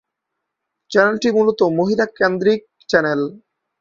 চ্যানেলটি মূলত মহিলা কেন্দ্রিক চ্যানেল।